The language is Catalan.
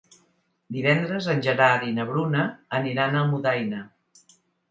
Divendres en Gerard i na Bruna aniran a Almudaina.